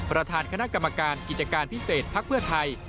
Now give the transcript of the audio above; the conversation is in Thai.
ประธานคณะกรรมการกิจการพิเศษภักดิ์เพื่อไทย